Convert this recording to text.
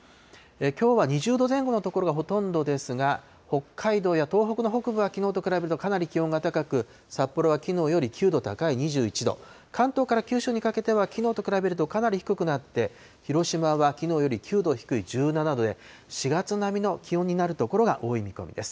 きょうは２０度前後の所がほとんどですが、北海道や東北の北部はきのうと比べるとかなり気温が高く、札幌はきのうより９度高い２１度、関東から九州にかけては、きのうと比べるとかなり低くなって、広島はきのうより９度低い１７度で、４月並みの気温になる所が多い見込みです。